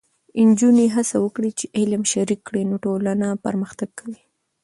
نجونې هڅه وکړي چې علم شریک کړي، نو ټولنه پرمختګ کوي.